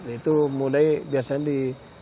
itu mulai biasanya di